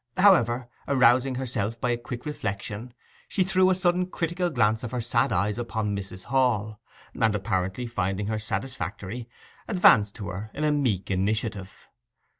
However, arousing herself by a quick reflection, she threw a sudden critical glance of her sad eyes upon Mrs. Hall; and, apparently finding her satisfactory, advanced to her in a meek initiative.